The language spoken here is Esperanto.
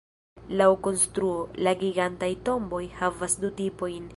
Laŭ konstruo, la gigantaj tomboj havas du tipojn.